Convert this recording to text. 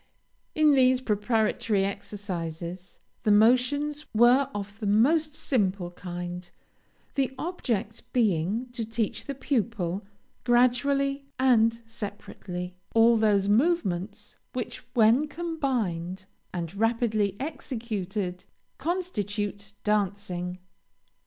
"In these preparatory exercises, the motions were of the most simple kind, the object being to teach the pupil, gradually and separately, all those movements which, when combined, and rapidly executed, constitute dancing."